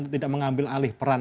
tidak mengambil alih peran